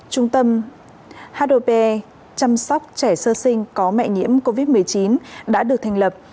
trung tâm hp chăm sóc trẻ sơ sinh có mẹ nhiễm covid một mươi chín đã được thành lập